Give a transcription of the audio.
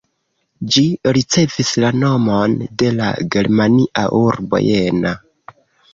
Ĝi ricevis la nomon de la germania urbo Jena.